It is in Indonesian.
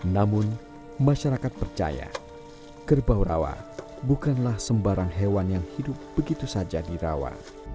namun masyarakat percaya kerbau rawa bukanlah sembarang hewan yang hidup begitu saja di rawa